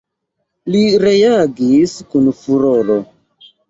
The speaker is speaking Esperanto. Li reagis kun furoro.